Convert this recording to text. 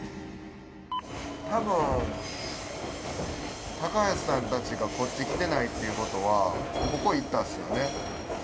たぶん高橋さんたちがこっち来てないっていうことはここ行ったっすよね。